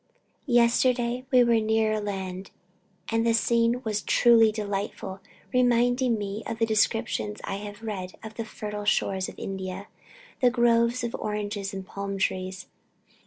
Yesterday we were nearer land ... and the scene was truly delightful, reminding me of the descriptions I have read of the fertile shores of India the groves of orange and palm trees.